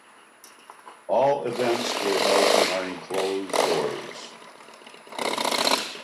All events were held behind closed doors.